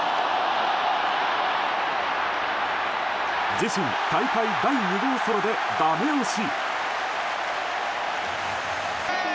自身大会第２号ソロでダメ押し！